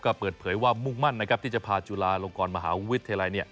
ก็เปิดเผยว่ามุ่งมั่นนะครับที่จะพาจุฬาลงกรมหาวิทยาลัย